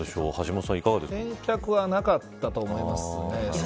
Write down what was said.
返却はなかったと思いますね。